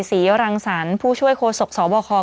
ศรียะวรังสรรค์ผู้ช่วยโครสกสอบคร